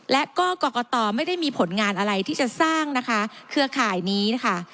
และก็กรกตไม่ได้มีผลงานอะไรที่จะสร้างนะคะเครือข่ายนี้นะคะ